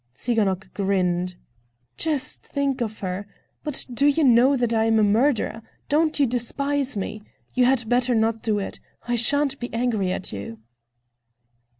Tsiganok grinned. "Just think of her! But do you know that I am a murderer? Don't you despise me? You had better not do it. I shan't be angry at you."